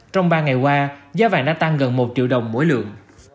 trong ba ngày qua giá vàng đã tăng gần một triệu đồng mỗi lượng